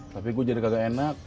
tapi kok jadi kagak enak